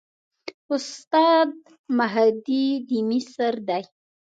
استاد مهدي د مصر دی.